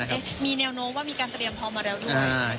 มีแนวโน้มว่ามีการเตรียมพร้อมมาแล้วด้วย